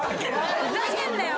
ふざけんなよ